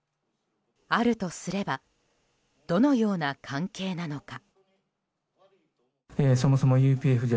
あるとすればどのような関係なのか。